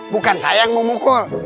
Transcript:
bukan saya yang mau mukul